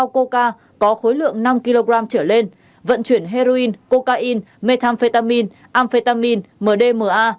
có khối lượng năm kg trở lên vận chuyển heroin cocaine methamphetamine amphetamine mdma